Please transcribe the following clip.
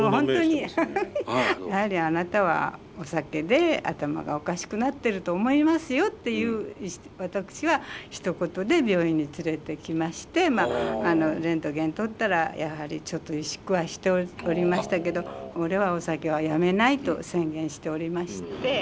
やはりあなたはお酒で頭がおかしくなってると思いますよっていう私はひと言で病院に連れてきましてレントゲン撮ったらやはりちょっと萎縮はしておりましたけど俺はお酒はやめないと宣言しておりまして。